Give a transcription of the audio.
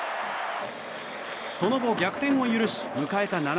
その後、逆転を許し迎えた